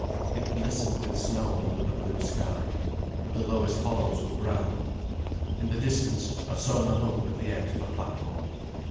It glistened with snow under the blue sky. But the lowest hollows were brown. In the distance, Ossona hung at the edge of a platform.